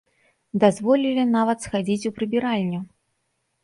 Дазволілі нават схадзіць у прыбіральню.